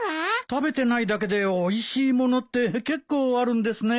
食べてないだけでおいしい物って結構あるんですね。